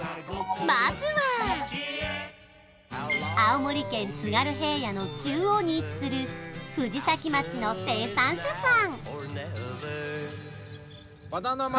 まずは青森県津軽平野の中央に位置する藤崎町の生産者さん